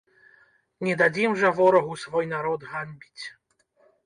Не дадзім жа ворагу свой народ ганьбіць!